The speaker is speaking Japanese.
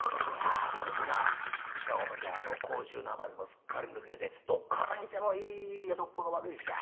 ああそれにな近頃じゃあの甲州訛りもすっかり抜けてどっから見てもいい江戸っ子の若え衆だ。